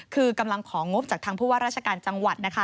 คือกำลังของงบจากทางผู้ว่าราชการจังหวัดนะคะ